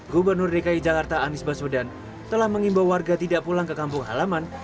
gubernur dki jakarta anies baswedan telah mengimbau warga tidak pulang ke kampung halaman